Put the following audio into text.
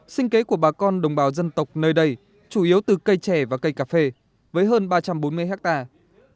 sinh kế của bà con đồng bào dân tộc nơi đây chủ yếu từ cây trẻ và cây cà phê với hơn ba trăm bốn mươi hectare